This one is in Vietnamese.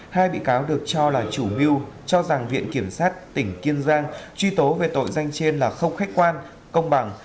hai bị cáo được cho là chủ mưu cho rằng viện kiểm sát tỉnh kiên giang truy tố về tội danh trên là không khách quan công bằng